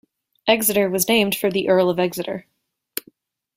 Exeter was named for the Earl of Exeter.